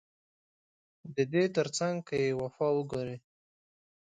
ددې ترڅنګ که يې وفا وګورې